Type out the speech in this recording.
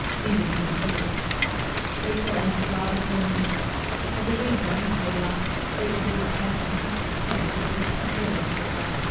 Julian was a fool. Rachel entered rather solemnly. "Has he really gone?" Louis asked. Rachel did not care for her husband's tone, which was too frivolous for her.